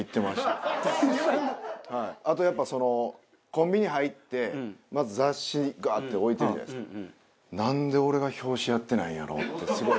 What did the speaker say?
あとやっぱそのコンビニ入ってまず雑誌ガーッて置いてるじゃないですか。